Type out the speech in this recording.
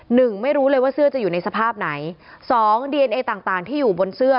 หนึ่งไม่รู้เลยว่าเสื้อจะอยู่ในสภาพไหนสองดีเอนเอต่างต่างที่อยู่บนเสื้อ